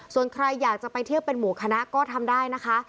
ส่วนใครอยากจะไปเที่ยวเป็นหมู่คณะก็ทำได้นะคะ